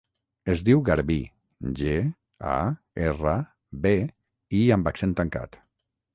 Es diu Garbí: ge, a, erra, be, i amb accent tancat.